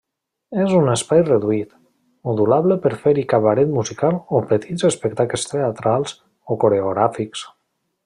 És un espai reduït, modulable per fer-hi cabaret musical o petits espectacles teatrals o coreogràfics.